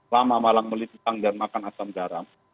lama malang melintang dan makan asam garam